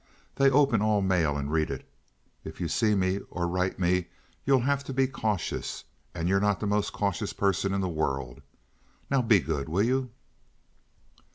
They open all mail and read it. If you see me or write me you'll have to be cautious, and you're not the most cautious person in the world. Now be good, will you?"